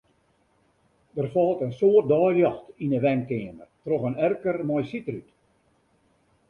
Der falt in soad deiljocht yn 'e wenkeamer troch in erker mei sydrút.